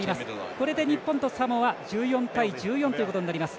これで日本とサモア１４対１４ということになります。